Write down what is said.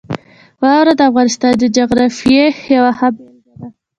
واوره د افغانستان د جغرافیې یوه ښه بېلګه ده.